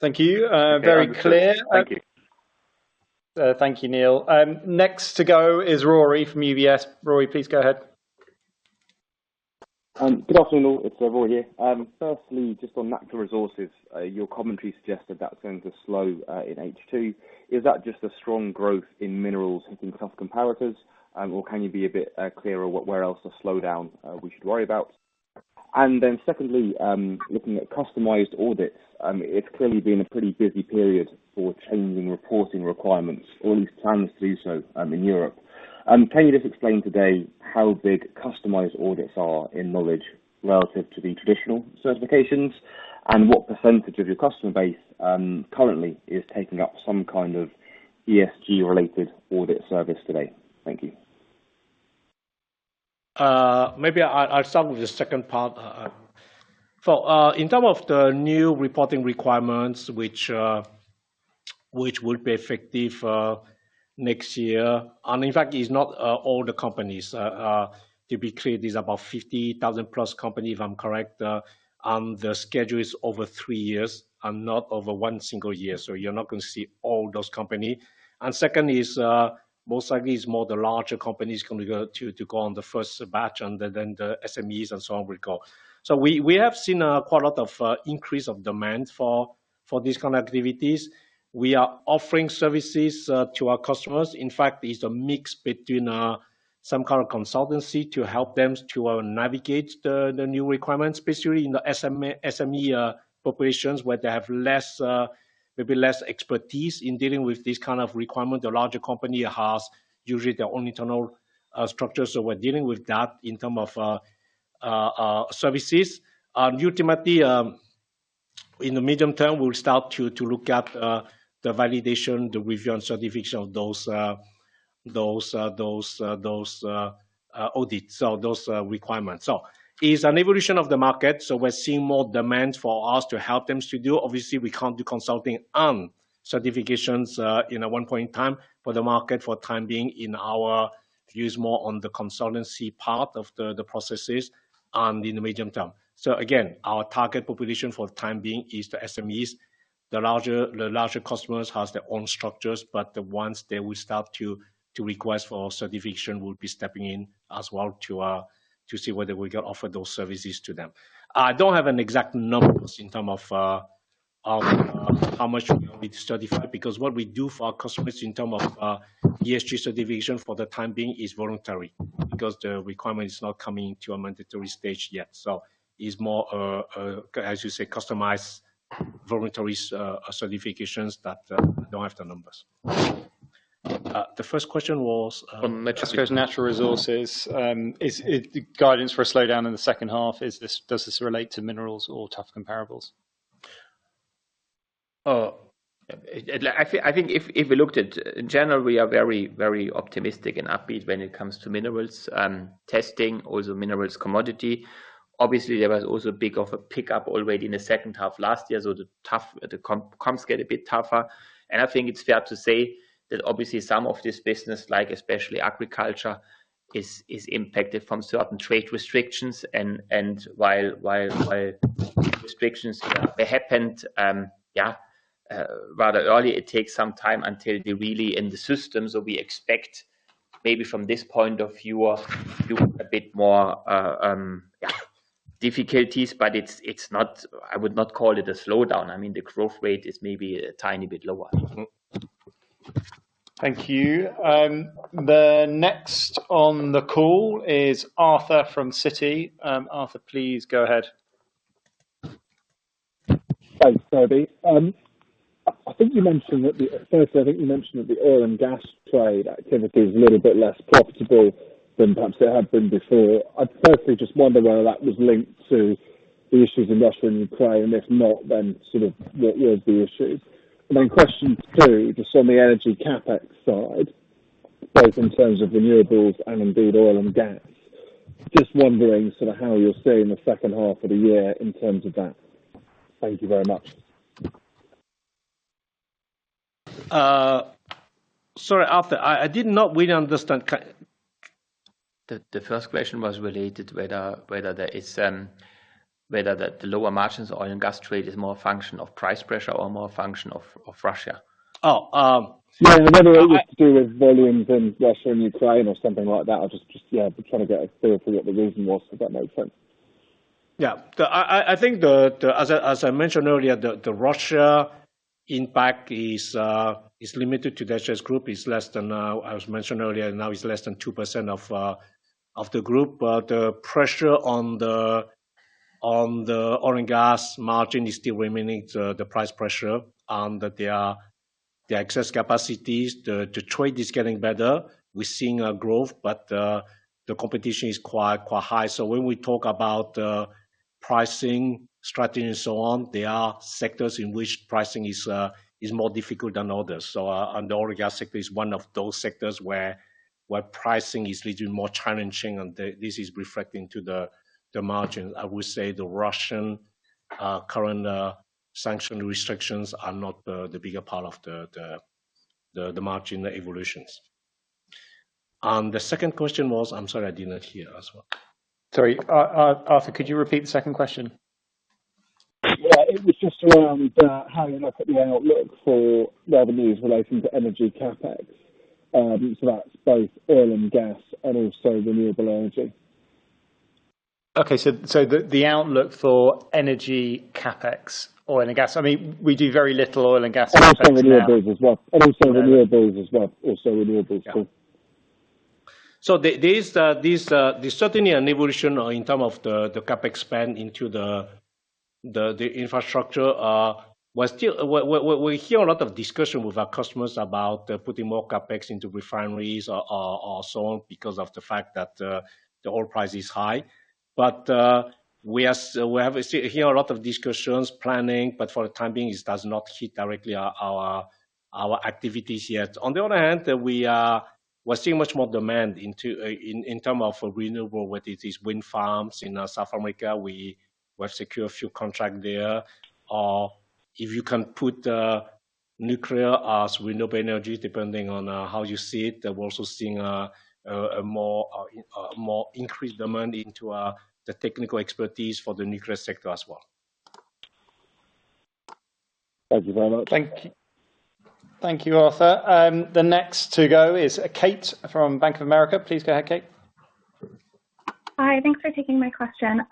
Thank you. Very clear. Okay. Understood. Thank you. Thank you, Neil. Next to go is Rory from UBS. Rory, please go ahead. Good afternoon all. It's Rory here. Firstly, just on Natural Resources, your commentary suggested that's going to slow in H2. Is that just a strong growth in minerals hitting tough comparators? Or can you be a bit clearer where else the slowdown we should worry about? Secondly, looking at customized audits, it's clearly been a pretty busy period for changing reporting requirements or at least plans to do so in Europe. Can you just explain today how big customized audits are in Knowledge relative to the traditional certifications, and what percentage of your customer base currently is taking up some kind of ESG related audit service today? Thank you. Maybe I'll start with the second part. For in terms of the new reporting requirements, which will be effective next year, and in fact, it's not all the companies. To be clear, it is about 50,000 plus companies, if I'm correct. The schedule is over three years and not over one single year. You're not gonna see all those companies. Second is, most likely it's more the larger companies going to go on the first batch and then the SMEs and so on will go. We have seen quite a lot of increase in demand for these kind of activities. We are offering services to our customers. In fact, it's a mix between some kind of consultancy to help them to navigate the new requirements, especially in the SME populations where they have less, maybe less expertise in dealing with this kind of requirement. The larger company has usually their own internal structure. We're dealing with that in terms of services. Ultimately, in the medium term, we'll start to look at the validation, the revision certification of those audits or those requirements. It's an evolution of the market, so we're seeing more demand for us to help them to do. Obviously, we can't do consulting and certifications in one point in time. The market, for the time being in our views, more on the consultancy part of the processes and in the medium term. Again, our target population for the time being is the SMEs. The larger customers have their own structures, but the ones they will start to request for certification, we'll be stepping in as well to see whether we can offer those services to them. I don't have exact numbers in terms of how much we certified, because what we do for our customers in terms of ESG certification for the time being is voluntary. The requirement is not coming to a mandatory stage yet. It's more, as you say, customized voluntary certifications that I don't have the numbers. The first question was From Metro's Natural Resources, the guidance for a slowdown in the second half, does this relate to minerals or tough comparables? I think if we looked at in general, we are very optimistic and upbeat when it comes to minerals testing, also minerals commodity. Obviously, there was also a bit of a pickup already in the second half last year, so the tough comps get a bit tougher. I think it's fair to say that obviously some of this business, like especially agriculture, is impacted from certain trade restrictions. While restrictions they happened rather early, it takes some time until they're really in the system. We expect Maybe from this point of view, you have a bit more difficulties, but it's not. I would not call it a slowdown. I mean, the growth rate is maybe a tiny bit lower. Thank you. The next on the call is Arthur from Citi. Arthur, please go ahead. Thanks, Toby. I think you mentioned that the oil and gas trade activity is a little bit less profitable than perhaps it had been before. I personally just wonder whether that was linked to the issues in Russia and Ukraine, and if not, then sort of what was the issue? Question two, just on the energy CapEx side, both in terms of renewables and indeed oil and gas. Just wondering sort of how you're seeing the second half of the year in terms of that. Thank you very much. Sorry, Arthur. I did not really understand. The first question was related to whether the lower margins oil and gas trade is more a function of price pressure or more a function of Russia. Oh, yeah. No, whether it was to do with volumes in Russia and Ukraine or something like that. I just, yeah, trying to get a feel for what the reason was, if that makes sense. Yeah. I think the, as I mentioned earlier, the Russia impact is limited to SGS Group, is less than, as mentioned earlier, now it's less than 2% of the group. But the pressure on the oil and gas margin is still remaining the price pressure, and there are excess capacities. The trade is getting better. We're seeing growth, but the competition is quite high. When we talk about pricing strategy and so on, there are sectors in which pricing is more difficult than others. And the oil and gas sector is one of those sectors where pricing is little more challenging, and this is reflecting in the margin. I would say the Russian current sanction restrictions are not the bigger part of the margin evolutions. The second question was? I'm sorry, I did not hear that one. Sorry. Arthur, could you repeat the second question? Yeah. It was just around how you look at the outlook for revenues relating to energy CapEx. That's both oil and gas and also renewable energy. Okay. The outlook for energy CapEx oil and gas. I mean, we do very little oil and gas CapEx now. Also renewables, too. There's certainly an evolution in terms of the CapEx spend into the infrastructure. We're still hearing a lot of discussion with our customers about putting more CapEx into refineries or so on because the oil price is high. We're hearing a lot of discussions, planning, but for the time being, it does not hit directly our activities yet. On the other hand, we're seeing much more demand in terms of renewables, whether it is wind farms in South Africa. We've secured a few contracts there. If you can put nuclear as renewable energy, depending on how you see it, we're also seeing a more increased demand into the technical expertise for the nuclear sector as well. Thank you very much. Thank you, Arthur. The next to go is Kate from Bank of America. Please go ahead, Kate. Hi. Thanks for taking my question.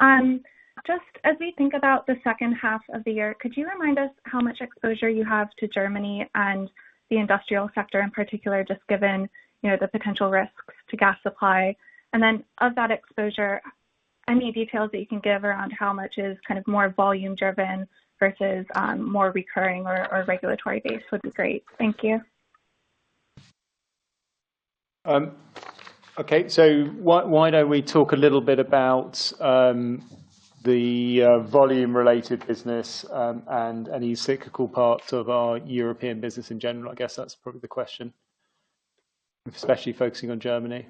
Just as we think about the second half of the year, could you remind us how much exposure you have to Germany and the industrial sector in particular, just given, you know, the potential risks to gas supply? Then of that exposure, any details that you can give around how much is kind of more volume-driven versus more recurring or regulatory based would be great. Thank you. Okay. Why don't we talk a little bit about the volume related business and any cyclical parts of our European business in general? I guess that's probably the question. Especially focusing on Germany.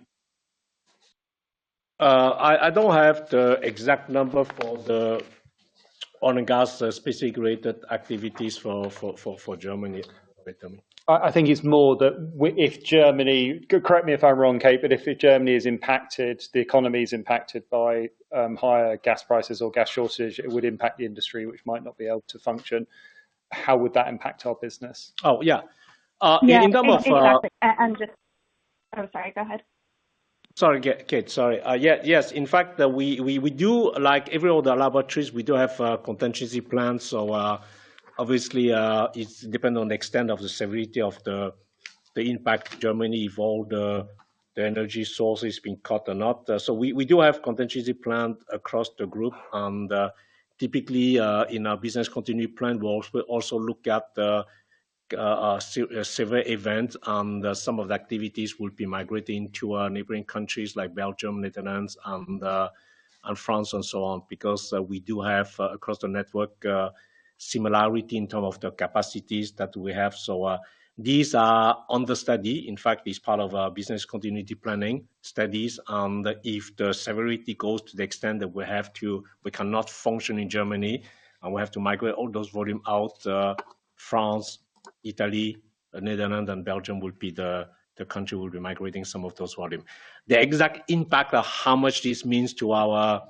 I don't have the exact number for the oil and gas specific related activities for Germany, Victor. I think it's more that if Germany, correct me if I'm wrong, Kate, but if Germany is impacted, the economy is impacted by higher gas prices or gas shortage, it would impact the industry, which might not be able to function. How would that impact our business? Oh, yeah. In terms of Yeah. Exactly. Oh, sorry, go ahead. Sorry, Kate. Yeah. Yes. In fact, we do, like every other laboratories, have contingency plans. Obviously, it depend on the extent of the severity of the impact Germany, if all the energy sources been cut or not. We do have contingency plan across the group and, typically, in our business continuity plan, we also look at a severe event and some of the activities will be migrating to our neighboring countries like Belgium, Netherlands and France and so on. Because we do have across the network similarity in term of the capacities that we have. These are under study. In fact, it's part of our business continuity planning studies. If the severity goes to the extent that we have to. We cannot function in Germany and we have to migrate all those volume out. France, Italy, Netherlands and Belgium, the countries, will be migrating some of those volume. The exact impact of how much this means to our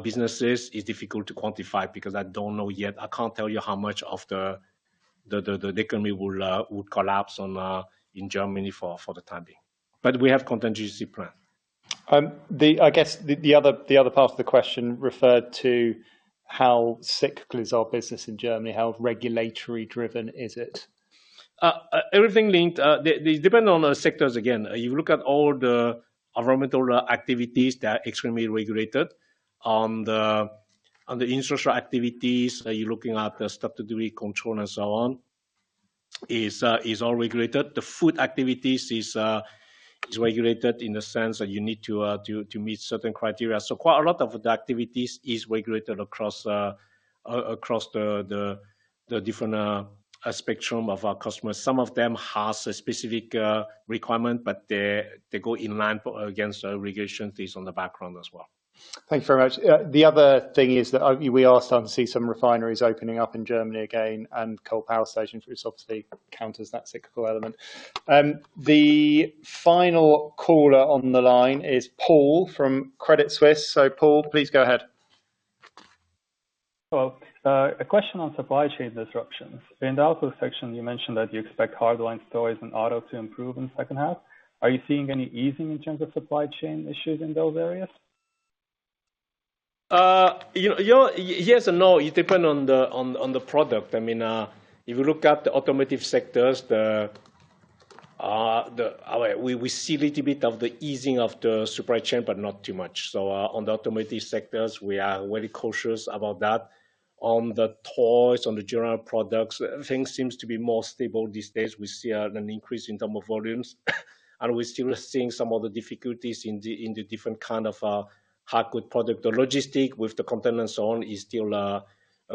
businesses is difficult to quantify because I don't know yet. I can't tell you how much of the economy will collapse in Germany for the time being. We have contingency plan. I guess the other part of the question referred to how cyclical is our business in Germany? How regulatory driven is it? Everything depends on the sectors again. You look at all the environmental activities that extremely regulated. On the infrastructure activities, you're looking at the stuff to do with control and so on, is all regulated. The food activities is regulated in the sense that you need to meet certain criteria. Quite a lot of the activities is regulated across the different spectrum of our customers. Some of them has a specific requirement, but they go in line against regulation based on the background as well. Thank you very much. The other thing is that we are starting to see some refineries opening up in Germany again and coal power stations, which obviously counters that cyclical element. The final caller on the line is Paul from Credit Suisse. Paul, please go ahead. A question on supply chain disruptions. In the outlook section, you mentioned that you expect Hardlines stores and auto to improve in second half. Are you seeing any easing in terms of supply chain issues in those areas? Yes and no. It depend on the product. I mean, if you look at the automotive sectors, we see a little bit of the easing of the supply chain, but not too much. On the automotive sectors, we are very cautious about that. On the toys, on the general products, things seems to be more stable these days. We see an increase in terms of volumes, and we're still seeing some of the difficulties in the different kind of hard goods products. The logistics with the containers and so on is still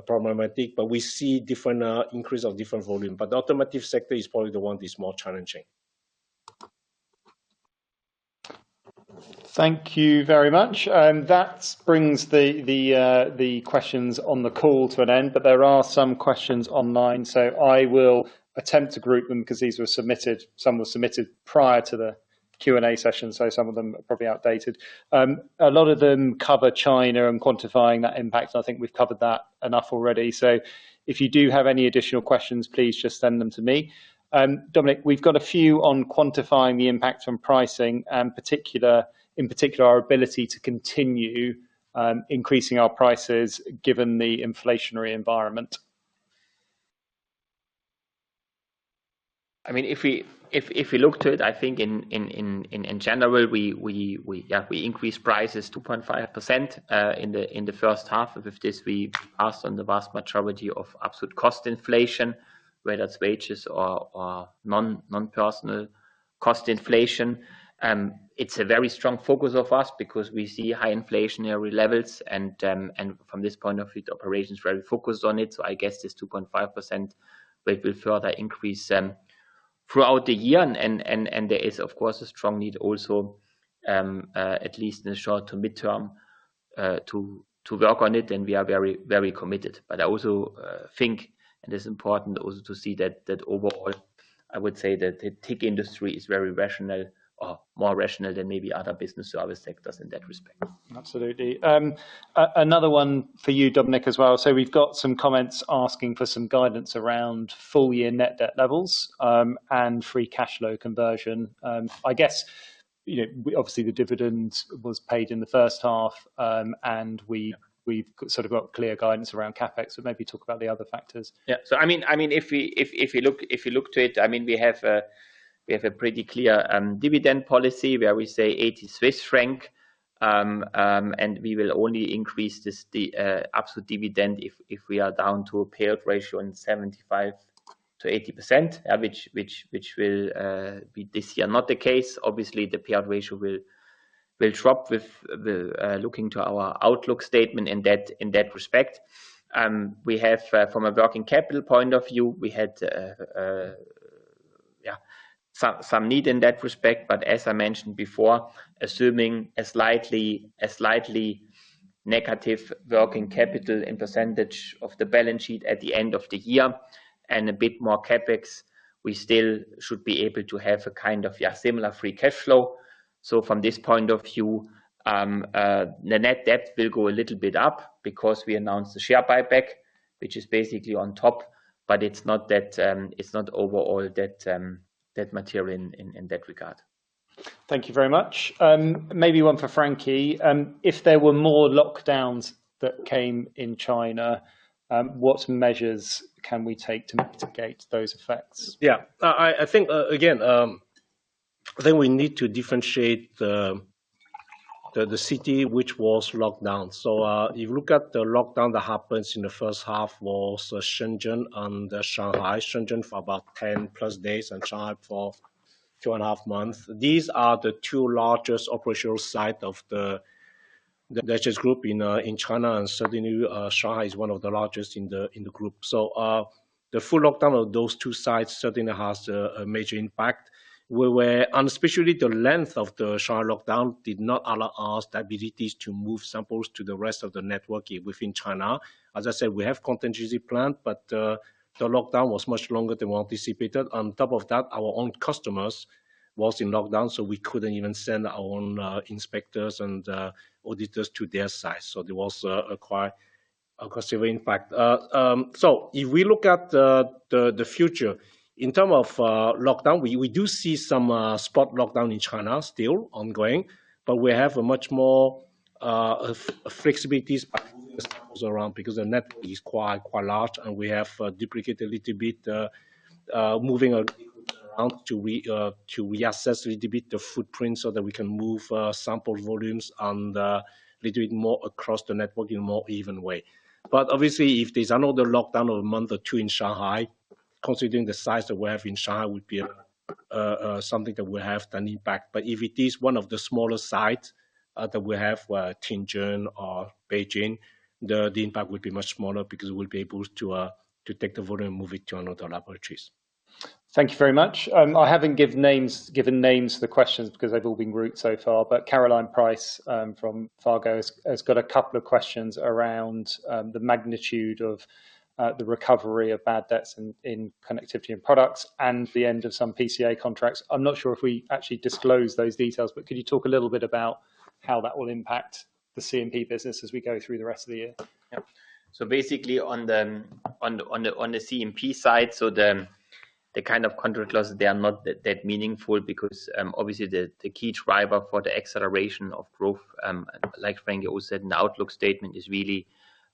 problematic, but we see different increases of different volumes. The automotive sector is probably the one that's more challenging. Thank you very much. That brings the questions on the call to an end, but there are some questions online, so I will attempt to group them because these were submitted. Some were submitted prior to the Q&A session, so some of them are probably outdated. A lot of them cover China and quantifying that impact. I think we've covered that enough already. If you do have any additional questions, please just send them to me. Dominik, we've got a few on quantifying the impact on pricing and in particular, our ability to continue increasing our prices given the inflationary environment. I mean, if we look to it, I think in general we increased prices 2.5% in the first half. With this, we offset the vast majority of absolute cost inflation, whether it's wages or non-personnel cost inflation. It's a very strong focus of us because we see high inflationary levels and from this point of view, the operations very focused on it. So I guess this 2.5% will further increase throughout the year. There is, of course, a strong need also at least in the short to mid-term to work on it, and we are very committed. I also think it is important also to see that overall, I would say that the tech industry is very rational or more rational than maybe other business service sectors in that respect. Absolutely. Another one for you, Dominik, as well. We've got some comments asking for some guidance around full year net debt levels, and free cash flow conversion. I guess, you know, obviously the dividend was paid in the first half, and we- Yeah. We've sort of got clear guidance around CapEx, so maybe talk about the other factors. Yeah. I mean, if you look to it, I mean, we have a pretty clear dividend policy where we say 80 Swiss franc. We will only increase this absolute dividend if we are down to a payout ratio in 75%-80%, which will be this year not the case. Obviously, the payout ratio will drop with the looking to our outlook statement in that respect. We have, from a working capital point of view, we had some need in that respect. As I mentioned before, assuming a slightly negative working capital as a percentage of the balance sheet at the end of the year and a bit more CapEx, we still should be able to have a kind of similar free cash flow. From this point of view, the net debt will go a little bit up because we announced the share buyback, which is basically on top. It's not that, it's not overall that material in that regard. Thank you very much. Maybe one for Frankie. If there were more lockdowns that came in China, what measures can we take to mitigate those effects? Yeah. I think again we need to differentiate the city which was locked down. If you look at the lockdown that happens in the first half was Shenzhen and Shanghai. Shenzhen for about 10+ days and Shanghai for two and a half months. These are the two largest operational site of the SGS Group in China, and certainly Shanghai is one of the largest in the group. The full lockdown of those two sites certainly has a major impact. Especially the length of the Shanghai lockdown did not allow us the abilities to move samples to the rest of the network within China. As I said, we have contingency plan, but the lockdown was much longer than we anticipated. On top of that, our own customers were in lockdown, so we couldn't even send our own inspectors and auditors to their site. There was quite a considerable impact. If we look at the future in terms of lockdown, we do see some spot lockdowns in China still ongoing, but we have much more flexibilities around because the network is quite large and we have duplicated a little bit, moving around to reassess a little bit the footprint so that we can move sample volumes and they do it more across the network in a more even way. Obviously, if there's another lockdown of a month or two in Shanghai, considering the size that we have in Shanghai would be something that will have an impact. If it is one of the smaller sites that we have, Tianjin or Beijing, the impact would be much smaller because we'll be able to take the volume and move it to another laboratories. Thank you very much. I haven't given names to the questions because they've all been grouped so far. Karl Green from RBC has got a couple of questions around the magnitude of the recovery of bad debts in Connectivity & Products and the end of some PCA contracts. I'm not sure if we actually disclosed those details, but could you talk a little bit about how that will impact the C&P business as we go through the rest of the year? Yep. Basically on the C&P side, the kind of contract losses, they are not that meaningful because obviously the key driver for the acceleration of growth, like Frankie Ng said in the outlook statement, is really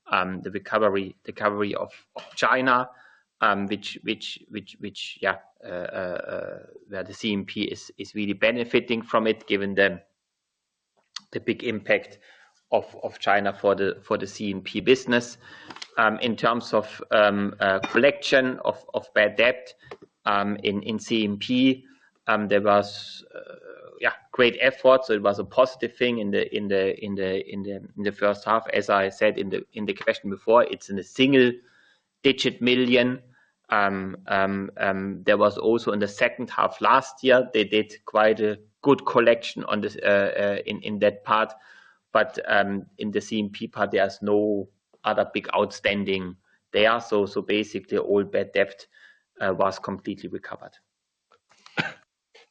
the recovery of China, where the C&P is really benefiting from it, given the big impact of China for the C&P business. In terms of collection of bad debt in C&P, there was great effort, so it was a positive thing in the first half. As I said in the question before, it's CHF single-digit million. There was also in the second half last year they did quite a good collection on this in that part. In the C&P part, there's no other big outstanding there. Basically all bad debt was completely recovered.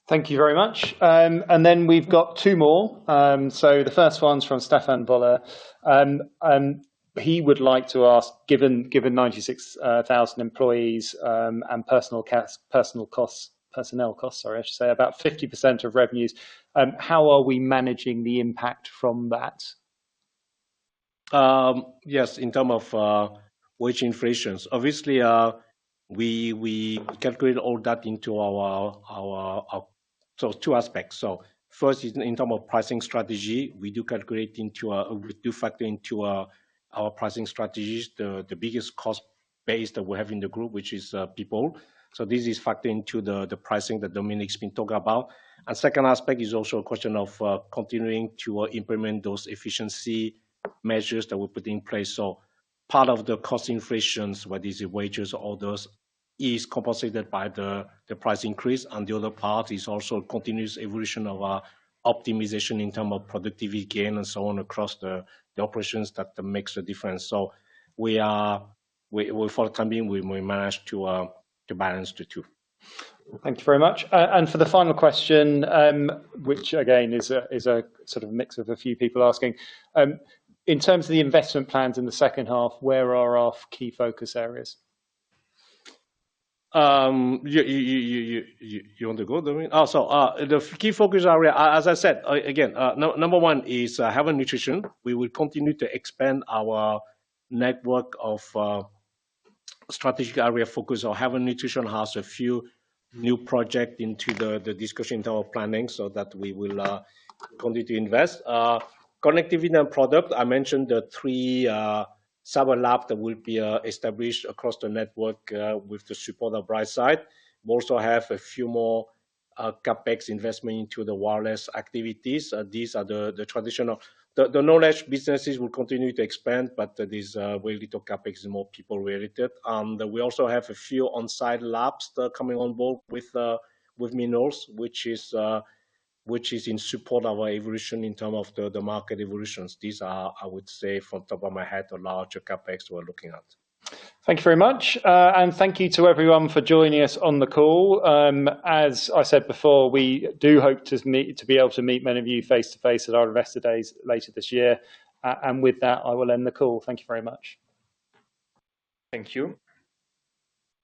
Thank you very much. We've got two more. The first one's from Daniel Hobden. He would like to ask, given 96,000 employees, and personnel costs, sorry, I should say, about 50% of revenues, how are we managing the impact from that? Yes, in terms of wage inflation. Obviously, we calculate all that into our. Two aspects. First is in terms of pricing strategy, we do factor into our pricing strategies the biggest cost base that we have in the group, which is people. This is factored into the pricing that Dominik's been talking about. Second aspect is also a question of continuing to implement those efficiency measures that we put in place. Part of the cost inflation, whether it's wages or others, is compensated by the price increase. The other part is also continuous evolution of our optimization in terms of productivity gain and so on across the operations that makes a difference. We are. For the time being, we manage to balance the two. Thank you very much. For the final question, which again is a sort of mix of a few people asking. In terms of the investment plans in the second half, where are our key focus areas? You want to go, Dominik? The key focus area, as I said, again, number one is Health & Nutrition. We will continue to expand our network of strategic area of focus. Our Health & Nutrition has a few new projects in the discussion in terms of planning, so that we will continue to invest. Connectivity & Products, I mentioned the three cyber labs that will be established across the network with the support of Brightsight. We also have a few more CapEx investments into the wireless activities. These are the traditional. The Knowledge businesses will continue to expand, but very little CapEx and more people related. We also have a few on-site labs that are coming on board with Minos, which is in support of our evolution in terms of the market evolutions. These are, I would say off the top of my head, the larger CapEx we're looking at. Thank you very much. Thank you to everyone for joining us on the call. As I said before, we do hope to meet, to be able to meet many of you face-to-face at our investor days later this year. With that, I will end the call. Thank you very much. Thank you.